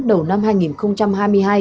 đầu năm hai nghìn hai mươi hai